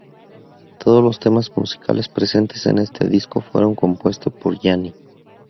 Todos los temas musicales presentes en este disco fueron compuestos por Yanni